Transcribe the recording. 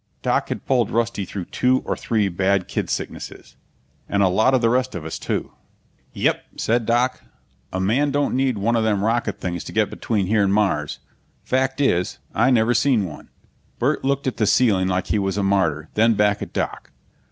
Doc had pulled Rusty through two or three bad kid sicknesses and a lot of the rest of us, too. "Yep," said Doc. "A man don't need one of them rocket things to get between here and Mars. Fact is, I never seen one." Burt looked at the ceiling like he was a martyr, then back at Doc.